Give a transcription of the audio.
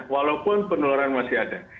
walaupun penularan masih ada